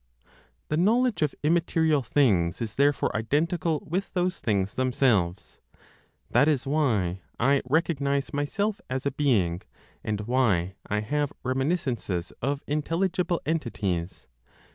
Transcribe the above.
The knowledge of immaterial things is therefore identical with those things themselves. That is why I recognize myself as a being, and why I have reminiscences of intelligible entities.